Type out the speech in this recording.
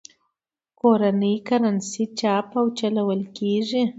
کورنۍ کرنسي چاپ او چلول کېږي.